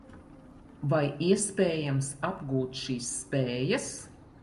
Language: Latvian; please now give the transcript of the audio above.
Vai iespējams apgūt šīs spējas?